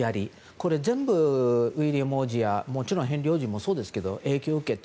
これ、全部ウィリアム皇太子やもちろんヘンリー王子もそうですが影響を受けて。